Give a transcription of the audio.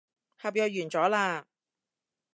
合約完咗喇